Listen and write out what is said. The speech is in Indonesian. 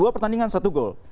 dua pertandingan satu gol